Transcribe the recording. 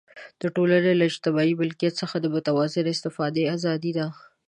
د ټولنې له اجتماعي ملکیت څخه د متوازنې استفادې آزادي ده.